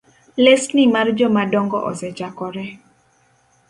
Lesni mar jomadongo osechakore